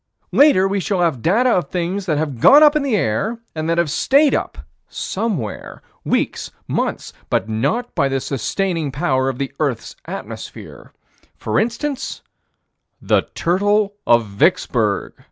Later, we shall have data of things that have gone up in the air and that have stayed up somewhere weeks months but not by the sustaining power of this earth's atmosphere. For instance, the turtle of Vicksburg.